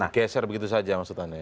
keser begitu saja maksudnya